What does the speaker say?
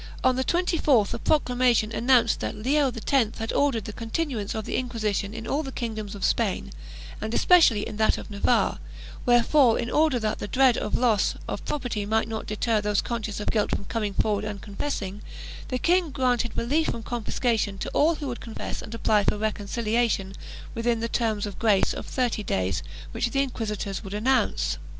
On the 24th a proclamation announced that Leo X had ordered the continuance of the Inquisition in all the kingdoms of Spain and especially in that of Navarre, wherefore in order that dread of loss of property might not deter those conscious of guilt from coming forward and confessing, the king granted release from confiscation to all who would confess and apply for recon ciliation within the Term of Grace of thirty days which the inquisitors would announce.